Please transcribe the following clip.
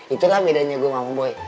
itulah bedanya gue mang boy